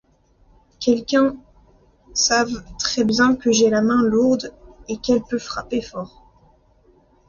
Quelques-uns savent très bien que j'ai la main lourde et qu'elle peut frapper fort.